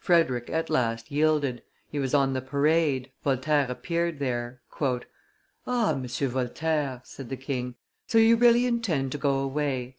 Frederick at last yielded; he was on the parade, Voltaire appeared there. "Ah! Monsieur Voltaire," said the king, "so you really intend to go away?"